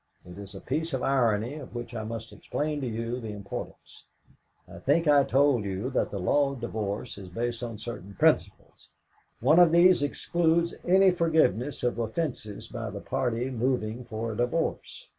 It is a piece of irony, of which I must explain to you the importance. I think I told you that the law of divorce is based on certain principles. One of these excludes any forgiveness of offences by the party moving for a divorce.